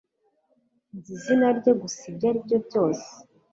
Nzi izina rye gusa ibyo aribyo byose